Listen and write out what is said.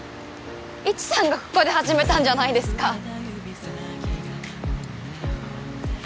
イチさんがここで始めたんじゃないですか。